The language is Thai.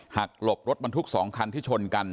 หักหลบรถบรรทุกสองคันที่ชนกัน